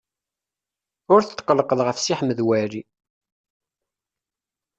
Ur tetqellqeḍ ɣef Si Ḥmed Waɛli.